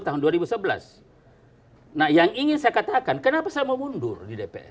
tahun dua ribu sebelas hai nah yang ingin saya katakan kenapa saya mau mundur di dpr